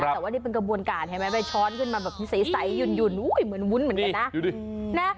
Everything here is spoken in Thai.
แต่ว่านี่เป็นกระบวนการเห็นไหมไปช้อนขึ้นมาแบบใสหุ่นเหมือนวุ้นเหมือนกันนะ